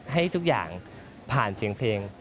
ให้ทุกอย่างผ่านเสียงเพลง